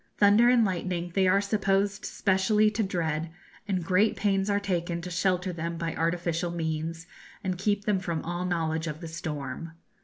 Thunder and lightning they are supposed specially to dread, and great pains are taken to shelter them by artificial means, and keep them from all knowledge of the storm.